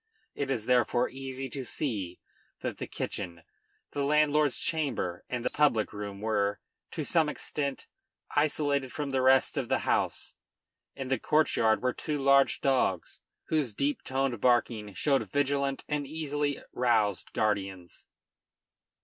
It is therefore easy to see that the kitchen, the landlord's chamber, and the public room were, to some extent, isolated from the rest of the house. In the courtyard were two large dogs, whose deep toned barking showed vigilant and easily roused guardians.